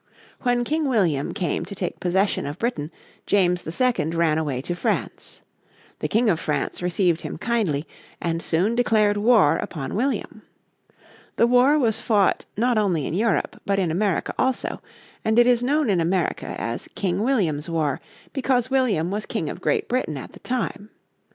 When King William came to take possession of Britain, James II ran away to France. The King of France received him kindly, and soon declared war upon William. The war was fought not only in Europe but in America also, and it is known in America as King William's War, because William was King of Great Britain at the time.